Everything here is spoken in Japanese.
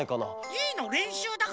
いいのれんしゅうだから！